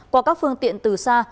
qua các phương tiện từ xa